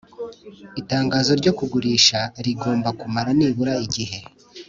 Itangazo ryo kugurisha rigomba kumara nibura igihe